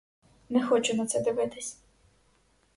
Не хочу на це дивитись.